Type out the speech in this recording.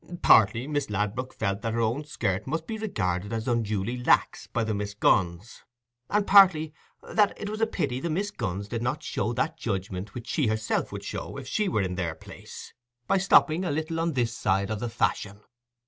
Partly, Miss Ladbrook felt that her own skirt must be regarded as unduly lax by the Miss Gunns, and partly, that it was a pity the Miss Gunns did not show that judgment which she herself would show if she were in their place, by stopping a little on this side of the fashion.